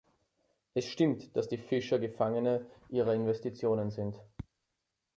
Es stimmt, dass die Fischer Gefangene ihrer Investitionen sind.